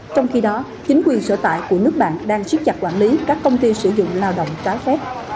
trong khi đó chính quyền sở tại của nước bạn đang siết chặt quản lý các công ty sử dụng lao động trái phép